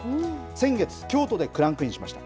先月、京都でクランクインしました。